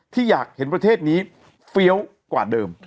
ที่อยากเห็นประเทศนี้เฟี้ยวกว่าเดิม